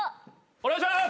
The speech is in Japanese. お願いします